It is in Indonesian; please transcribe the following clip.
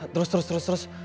terus terus terus terus